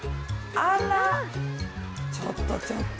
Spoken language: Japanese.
あらちょっとちょっと。